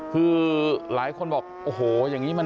คือหลายคนบอกโอ้โหอย่างนี้มัน